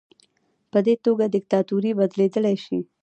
په دې توګه دیکتاتوري بدلیدلی شي.